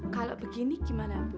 kalau begini gimana ibu